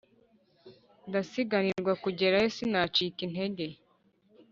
Ndasiganirwa kugerayo sinacika intege